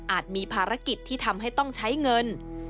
มีภารกิจที่ทำให้ต้องใช้เงิน